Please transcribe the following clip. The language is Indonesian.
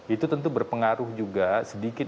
itu tentu berpengaruh juga sedikit